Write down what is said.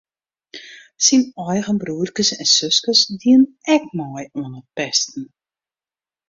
Syn eigen broerkes en suskes dienen ek mei oan it pesten.